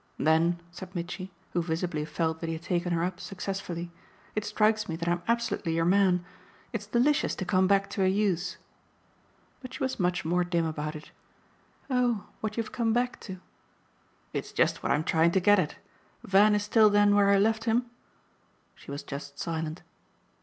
Then," said Mitchy, who visibly felt that he had taken her up successfully, "it strikes me that I'm absolutely your man. It's delicious to come back to a use." But she was much more dim about it. "Oh what you've come back to !" "It's just what I'm trying to get at. Van is still then where I left him?" She was just silent.